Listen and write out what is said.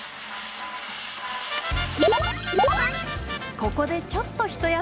ここでちょっと一休み。